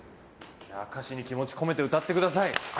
歌詞に気持ちを込めて歌ってください。